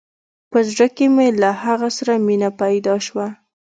په زړه کښې مې له هغه سره مينه پيدا سوه.